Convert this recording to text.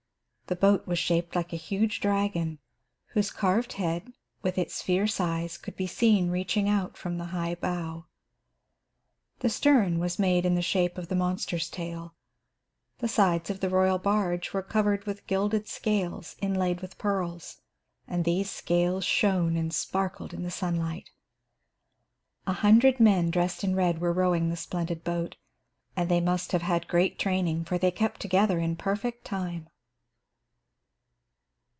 The boat was shaped like a huge dragon, whose carved head, with its fierce eyes, could be seen reaching out from the high bow. The stern was made in the shape of the monster's tail. The sides of the royal barge were covered with gilded scales, inlaid with pearls, and these scales shone and sparkled in the sunlight. A hundred men dressed in red were rowing the splendid boat, and they must have had great training, for they kept together in perfect time.